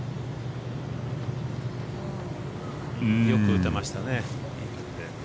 よく打てましたね。